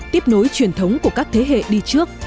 tiếp nối truyền thống của các thế hệ đi trước